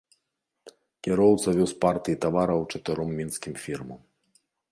Кіроўца вёз партыі тавараў чатыром мінскім фірмам.